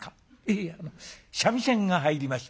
「いや三味線が入りまして」。